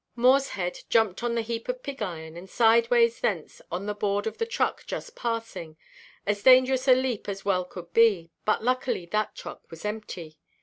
Morshead jumped on the heap of pig–iron, and sideways thence on the board of the truck just passing, as dangerous a leap as well could be, but luckily that truck was empty.